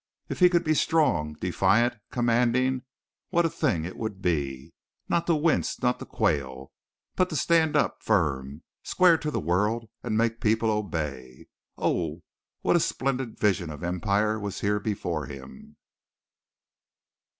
If he could be strong, defiant, commanding, what a thing it would be. Not to wince, not to quail, but to stand up firm, square to the world and make people obey. Oh, what a splendid vision of empire was here before him.